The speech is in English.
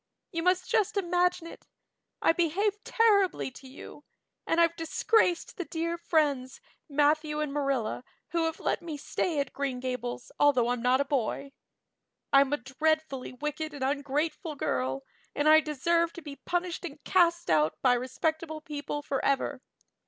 You must just imagine it. I behaved terribly to you and I've disgraced the dear friends, Matthew and Marilla, who have let me stay at Green Gables although I'm not a boy. I'm a dreadfully wicked and ungrateful girl, and I deserve to be punished and cast out by respectable people forever.